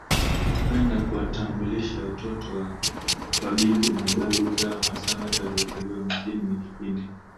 kwenda kuwatambulisha watoto kwa bibi na babu zao hasa wale waliozaliwa mijini Ni kipindi